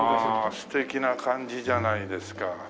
素敵な感じじゃないですか。